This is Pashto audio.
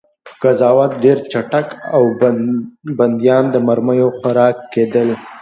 قضاوت ډېر چټک و او بندیان د مرمیو خوراک کېدل